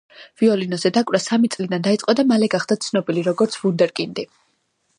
ვიოლინოზე დაკვრა სამი წლიდან დაიწყო და მალე გახდა ცნობილი, როგორც ვუნდერკინდი.